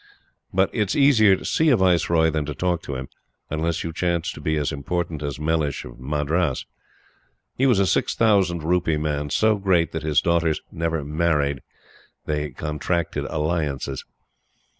But it is easier to see a Viceroy than to talk to him, unless you chance to be as important as Mellishe of Madras. He was a six thousand rupee man, so great that his daughters never "married." They "contracted alliances."